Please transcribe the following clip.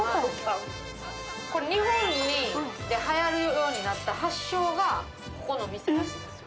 日本ではやるようになった発祥がここの店らしいんですよ。